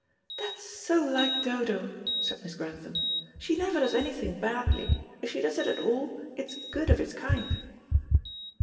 "That's so like Dodo," said Miss Grantham. "She never does anything badly. If she does it at all, it's good of its kind."